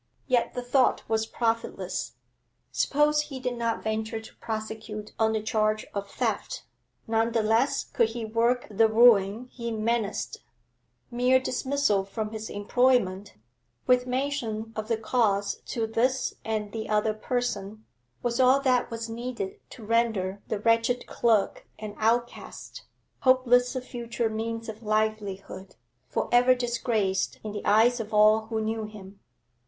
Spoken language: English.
Yet the thought was profitless. Suppose he did not venture to prosecute on the charge of theft, none the less could he work the ruin he menaced; mere dismissal from his employment, with mention of the cause to this and the other person, was all that was needed to render the wretched clerk an outcast, hopeless of future means of livelihood, for ever disgraced in the eyes of all who knew him.